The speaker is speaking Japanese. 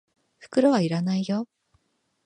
袋は要らないよ。